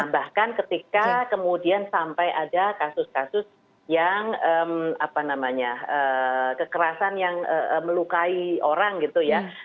bahkan ketika kemudian sampai ada kasus kasus yang apa namanya kekerasan yang melukai orang gitu ya